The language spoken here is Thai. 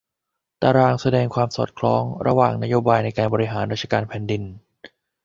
ตารางแสดงความสอดคล้องระหว่างนโยบายในการบริหารราชการแผ่นดิน